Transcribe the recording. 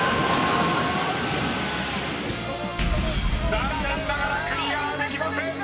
［残念ながらクリアできません！］